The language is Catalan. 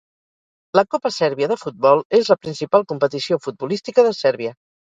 La copa sèrbia de futbol és la principal competició futbolística de Sèrbia.